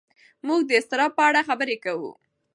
موږ د اضطراب په اړه خبرې کوو.